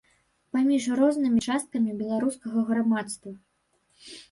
Паміж рознымі часткамі беларускага грамадства.